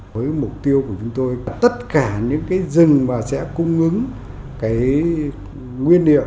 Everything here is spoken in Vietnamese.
với mục tiêu của chúng tôi là tất cả những cái rừng mà sẽ cung ứng cái nguyên liệu